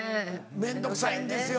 面倒くさいんですよ。